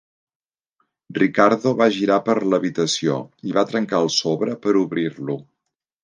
Ricardo va girar per l'habitació i va trencar el sobre per obrir-lo.